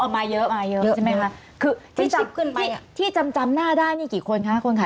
อ๋ออ๋อมาเยอะใช่ไหมคือที่จับขึ้นไปที่จำหน้าได้นี่กี่คนคะคุณคุณค่ะ